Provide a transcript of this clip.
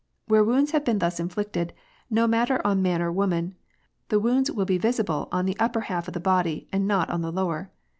Where wounds have been thus inflicted, no matter on man or woman, the wounds will be visible on the upper half of the body and not on the lower.